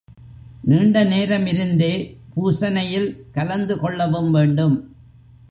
நீண்ட நேரம் இருந்தே பூசனையில் கலந்து கொள்ளவும் வேண்டும்.